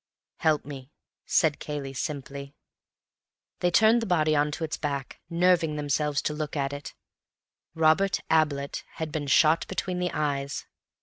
"Help me," said Cayley simply. They turned the body on to its back, nerving themselves to look at it. Robert Ablett had been shot between the eyes.